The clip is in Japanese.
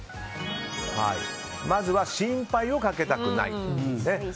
まずは心配をかけたくない。